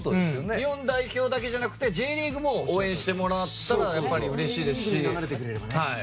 日本代表だけじゃなくてＪリーグも応援してもらったらやっぱり、うれしいですし。